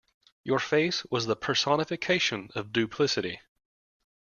Your face was the personification of duplicity.